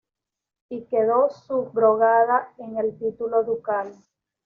Y quedó subrogada en el título ducal.